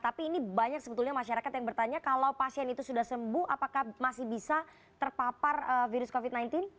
tapi ini banyak sebetulnya masyarakat yang bertanya kalau pasien itu sudah sembuh apakah masih bisa terpapar virus covid sembilan belas